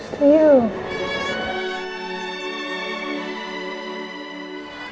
terima kasih tuhan